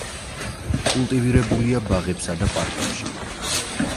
კულტივირებულია ბაღებსა და პარკებში.